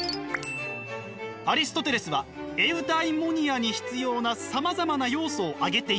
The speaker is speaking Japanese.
アリストテレスはエウダイモニアに必要なさまざまな要素を挙げています。